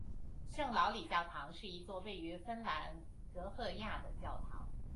圣劳里教堂是一座位于芬兰洛赫亚的教堂。